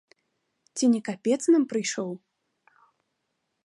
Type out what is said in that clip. Ці не капец нам прыйшоў?